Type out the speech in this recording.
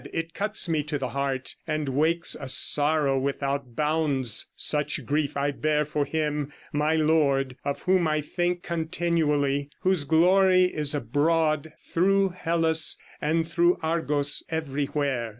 It cuts me to the heart, And wakes a sorrow without bounds such grief I bear for him, my lord, of whom I think Continually; whose glory is abroad Through Hellas and through Argos, everywhere.'